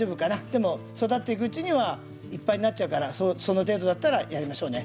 でも育っていくうちにはいっぱいになっちゃうからその程度だったらやりましょうね。